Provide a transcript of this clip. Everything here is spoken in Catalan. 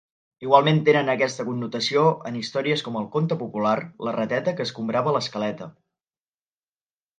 Igualment tenen aquesta connotació en històries com el conte popular La rateta que escombrava l'escaleta.